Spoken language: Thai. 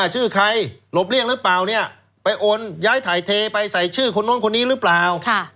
ชื่อใครหลบเลี่ยงหรือเปล่าเนี่ยไปโอนย้ายถ่ายเทไปใส่ชื่อคนนู้นคนนี้หรือเปล่า